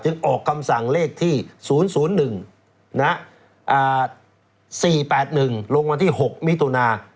ออกคำสั่งเลขที่๐๐๑๔๘๑ลงวันที่๖มิถุนา